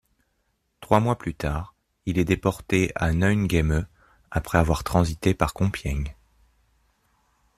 Trois mois plus tard, il est déporté à Neuengamme après avoir transité par Compiègne.